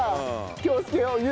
気をつけよう。